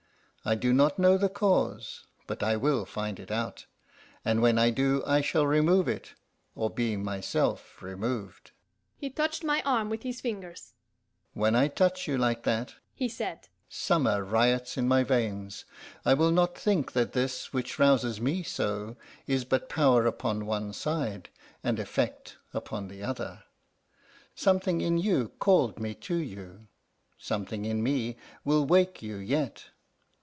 I do not know the cause, but I will find it out; and when I do, I shall remove it or be myself removed." He touched my arm with his fingers. "When I touch you like that," he said, "summer riots in my veins. I will not think that this which rouses me so is but power upon one side, and effect upon the other. Something in you called me to you, something in me will wake you yet.